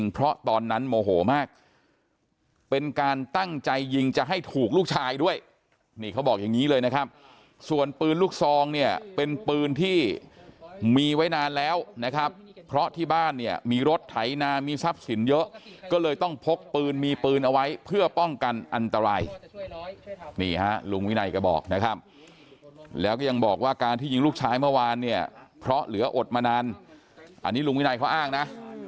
เพราะตอนนั้นโมโหมากเป็นการตั้งใจยิงจะให้ถูกลูกชายด้วยนี่เขาบอกอย่างนี้เลยนะครับส่วนปืนลูกซองเนี่ยเป็นปืนที่มีไว้นานแล้วนะครับเพราะที่บ้านเนี่ยมีรถไถนามีทรัพย์สินเยอะก็เลยต้องพกปืนมีปืนเอาไว้เพื่อป้องกันอันตรายนี่ฮะลุงวินัยก็บอกนะครับแล้วก็ยังบอกว่าการที่ยิงลูกชายเมื่อวานเนี่ยเพราะเหลืออดมานานอันนี้ลุงวินัยเขาอ้างนะ